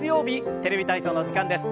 「テレビ体操」の時間です。